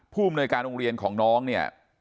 ผู้อำนวยการโรงเรียนของน้องเนี่ย